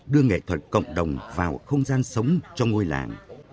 đưa nghệ thuật cộng đồng vào không gian sống cho ngôi làng